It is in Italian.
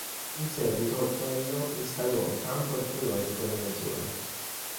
In seguito Tello installò un campo archeologico nella zona.